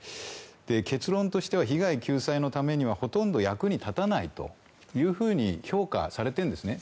結論としては被害救済のためにはほとんど役に立たないと評価されているんですね。